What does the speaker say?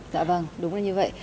dạ vâng đúng là như vậy